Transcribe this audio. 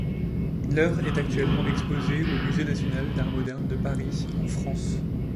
L'œuvre est actuellement exposée au musée national d'Art moderne de Paris, en France.